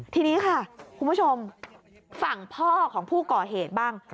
ทีนี้ค่ะคุณผู้ชมฝั่งพ่อของผู้ก่อเหตุบ้าง